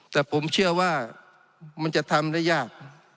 แต่ผมเชื่อว่ามันจะทำได้ยาก